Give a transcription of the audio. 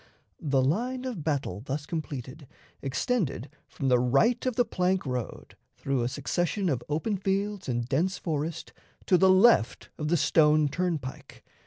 The line of battle thus completed extended from the right of the plank road through a succession of open fields and dense forest to the left of the Stone turnpike.